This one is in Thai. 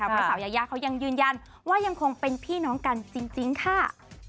เพราะสาวยายาเขายังยืนยันว่ายังคงเป็นพี่น้องกันจริงค่ะ